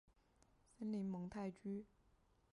森林蒙泰居。